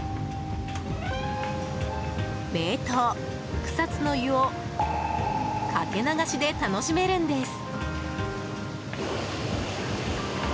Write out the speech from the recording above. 名湯・草津の湯をかけ流しで楽しめるんです。